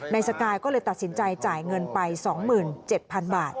สกายก็เลยตัดสินใจจ่ายเงินไป๒๗๐๐๐บาท